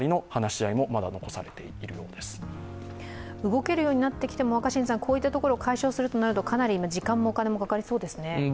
動けるようになってきても、こういったところを解消するとなるとかなり時間もお金もかかりそうですね。